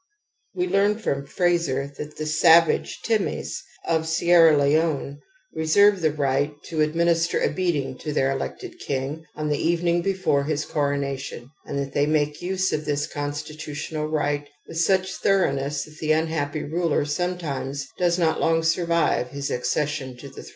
We learn fromFrazer^* that the savage Tinunes of Sierra Leone reserve the right to administer a beating to their elected king on the evening before his coronation, and that they make use of this constitutional right with such thoroughness that the unhappy ruler sometimes does not long survive his accession to the throne ;*^ l,e,, p.